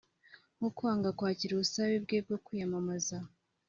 nko kwanga kwakira ubusabe bwe bwo kwiyamamaza